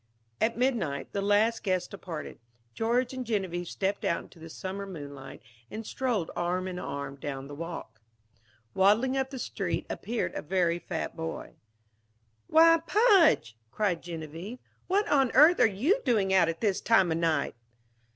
At midnight, the last guest departed. George and Genevieve stepped out into the summer moonlight and strolled arm in arm down the walk. Waddling up the street appeared a very fat boy. "Why, Pudge," cried Geneviève, "what on earth are you doing out at this time of night!"